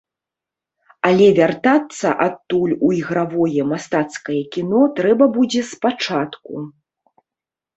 Але вяртацца адтуль у ігравое мастацкае кіно трэба будзе з пачатку.